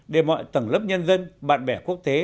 để mọi tầng lớp nhân dân bạn bè quốc tế